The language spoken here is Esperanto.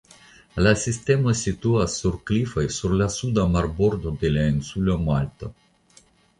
La sistemo situas sur klifoj sur la suda marbordo de la insulo Malto.